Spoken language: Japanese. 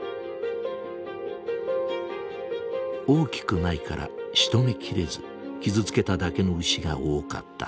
大きくないからしとめ切れず傷つけただけの牛が多かった。